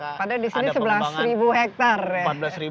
pada disini ada pengembangan empat belas ribu hektar